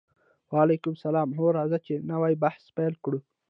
وعلیکم السلام هو راځئ چې نوی بحث پیل کړو